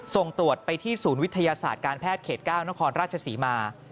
ส่งตรวจไปที่ศูนย์วิทยาศาสตร์การแพทย์เขต๙นครราชศรีมา